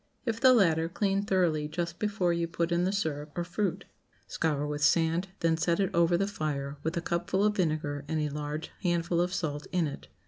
If the latter, clean thoroughly just before you put in the syrup or fruit. Scour with sand, then set it over the fire, with a cupful of vinegar and a large handful of salt in it.